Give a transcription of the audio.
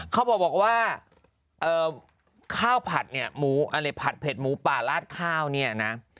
เขาบอกว่าข้าวผัดเนี่ยหมูอะไรผัดเผ็ดหมูป่าลาดข้าวเนี่ยนะ